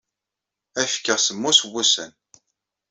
Ad ak-fkeɣ semmus wussan.